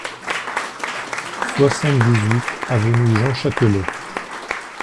soixante-dix-huit avenue Jean Châtelet